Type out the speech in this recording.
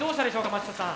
松下さん。